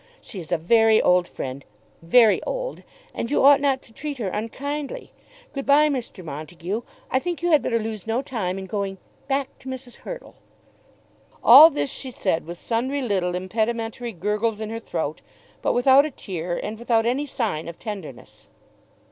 She is a very old friend, very old, and you ought not to treat her unkindly. Good bye, Mr. Montague. I think you had better lose no time in going back to Mrs. Hurtle." All this she said with sundry little impedimentary gurgles in her throat, but without a tear and without any sign of tenderness.